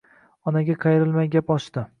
Onaga qayrilmay gap ochdi.